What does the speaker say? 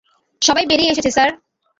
সবাই বেরিয়ে এসেছে, স্যার।